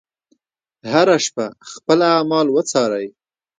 هره شپه خپل اعمال وڅارئ.